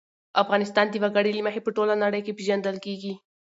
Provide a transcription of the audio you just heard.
افغانستان د وګړي له مخې په ټوله نړۍ کې پېژندل کېږي.